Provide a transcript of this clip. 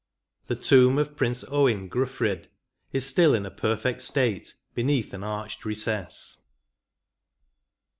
The tomb of Prince Owen Gryflfrydd is still in a perfect state beneath an arched recess.